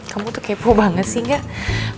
kamu tuh kepo banget sih enggak